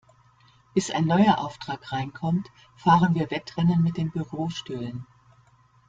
Bis ein neuer Auftrag reinkommt, fahren wir Wettrennen mit den Bürostühlen.